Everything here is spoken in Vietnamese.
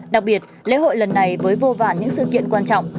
đặc biệt lễ hội lần này với vô vàn những sự kiện quan trọng